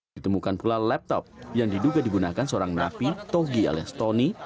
ditemukan pula laptop yang diduga digunakan seorang napi togi alias tony